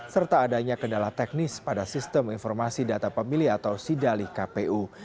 serta adanya kendala teknis pada sistem informasi data pemilih atau sidali kpu